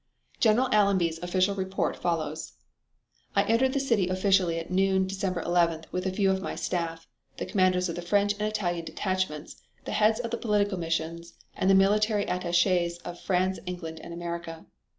General Allenby's official report follows: "I entered the city officially at noon December 11th with a few of my staff, the commanders of the French and Italian detachments, the heads of the political missions, and the military attaches of France, England, and America.